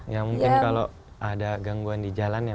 ya mungkin kalau ada gangguan di jalan ya